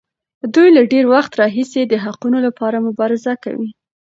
دوی له ډېر وخت راهیسې د حقونو لپاره مبارزه کوي.